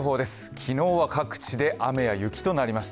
昨日は各地で雨や雪となりました。